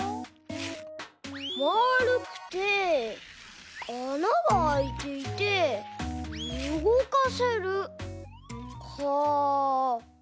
まるくてあながあいていてうごかせるか。